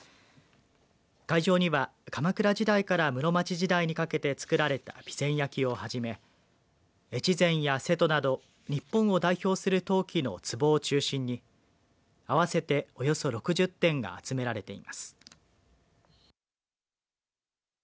会場には鎌倉時代から室町時代にかけて作られた備前焼をはじめ越前や瀬戸など日本を代表する陶器のつぼを中心に合わせておよそ６０点が集められています。